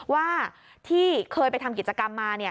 ว่าที่เคยไปทำกิจกรรมมา